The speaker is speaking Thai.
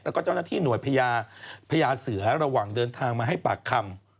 แล้วก็เจ้าหน้าที่หน่วยพญาพญาเสือระหว่างเดินทางมาให้ปากคำ